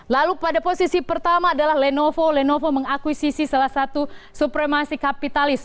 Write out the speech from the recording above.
lalu pada posisi pertama adalah lenovo lenovo mengakuisisi salah satu supremasi kapitalis